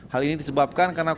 hal ini disebabkan karena